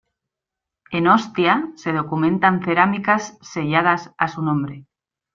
En Ostia se documentan cerámicas selladas a su nombre.